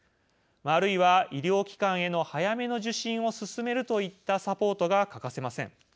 あるいは、医療機関への早めの受診を勧めるといったサポートが欠かせません。